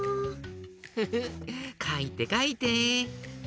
フフッかいてかいて。